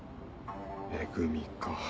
「め組」か。